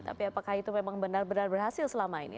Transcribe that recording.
tapi apakah itu memang benar benar berhasil selama ini